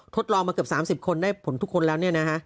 ทดลองมาเกือบ๓๐คนได้ผลทุกคนแล้วเนี่ยนะฮะ